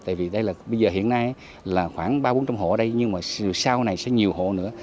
tại vì đây là bây giờ hiện nay là khoảng ba bốn trăm linh hộ ở đây nhưng mà sau này sẽ nhiều hộ nữa